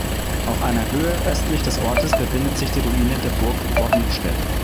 Auf einer Höhe östlich des Ortes befindet sich die Ruine der Burg Bornstedt.